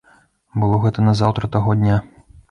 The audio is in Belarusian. Было гэта назаўтра таго дня.